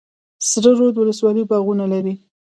سره رود ولسوالۍ باغونه لري؟